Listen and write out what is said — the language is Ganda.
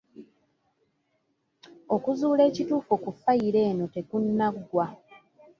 Okuzuula ekituufu ku ffayiro eno tekunnaggwa.